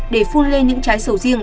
để phun lên những trái sầu riêng